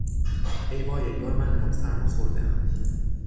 ای وای انگار من هم سرما خوردهام